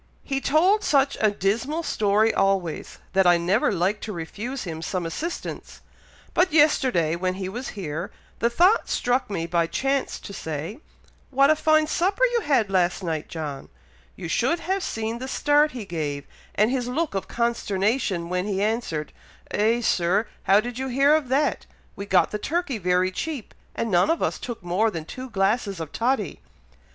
"He told such a dismal story always, that I never liked to refuse him some assistance; but yesterday, when he was here, the thought struck me by chance to say, 'What a fine supper you had last night, John!' You should have seen the start he gave, and his look of consternation, when he answered, 'Eh, Sir! how did ye hear of that! We got the turkey very cheap, and none of us took more than two glasses of toddy.'"